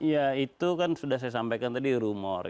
ya itu kan sudah saya sampaikan tadi rumor